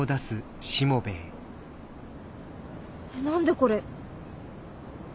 何でこれ。